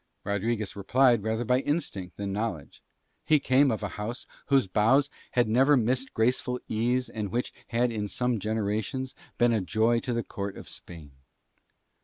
Rodriguez replied rather by instinct than knowledge; he came of a house whose bows had never missed graceful ease and which had in some generations been a joy to the Court of Spain.